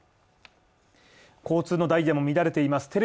交通のダイヤも乱れています